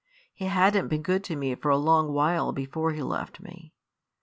He hadn't been good to me for a long while before he left me.